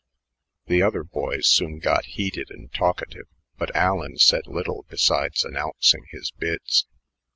The other boys soon got heated and talkative, but Allen said little besides announcing his bids.